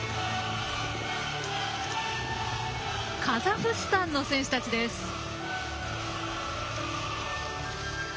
カザフスタンの選手たちです。